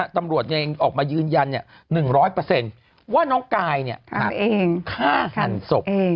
ตำรวจเองออกมายืนยัน๑๐๐ว่าน้องกายฆ่าหันศพ